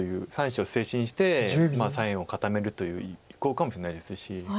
３子を捨て石にして左辺を固めるという意向かもしれないですし。